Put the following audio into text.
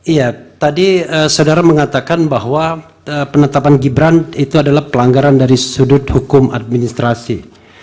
iya tadi saudara mengatakan bahwa penetapan gibran itu adalah pelanggaran dari sudut hukum administrasi